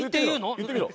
言ってみろ！